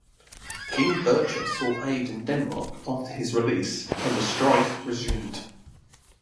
King Birger sought aid in Denmark after his release and the strife resumed.